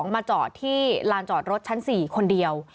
มาจอดที่ลานจอดรถชั้น๔คนเดียว